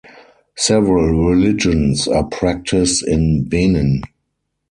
Several religions are practiced in Benin.